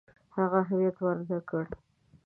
هغه اهمیت ورنه کړي.